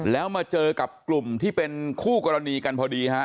แล้วมาเจอกับกลุ่มที่เป็นคู่กรณีกันพอดีฮะ